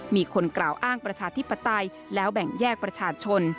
มีคนกล่าวอ้างประชาธิปไตยแล้วแบ่งแยกประชาชน